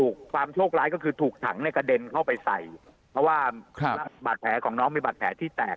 ความโชคร้ายก็คือถูกถังในกระเด็นเข้าไปใส่เพราะว่าบาดแผลของน้องมีบาดแผลที่แตก